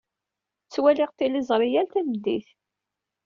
Ttwaliɣ tiliẓri yal tameddit.